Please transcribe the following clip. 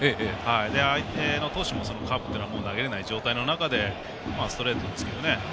相手の投手もカーブが投げられない状態の中でストレートですけどね。